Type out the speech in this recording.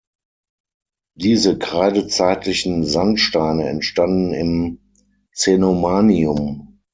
Diese kreidezeitlichen Sandsteine entstanden im Cenomanium.